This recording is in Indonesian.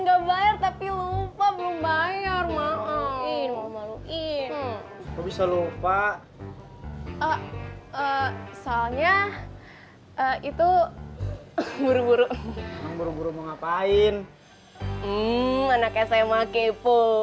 gak bayar tapi lupa belum bayar maaf maluin bisa lupa soalnya itu buru buru ngapain anaknya saya mau kepo